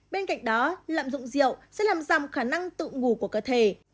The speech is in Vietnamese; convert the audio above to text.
bên cạnh đó lạm dụng rượu sẽ làm giảm khả năng tự ngủ của cơ thể